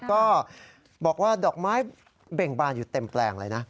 ก็บอกว่าดอกไม้เบ่งบานอยู่เต็มแปลงเลยนะ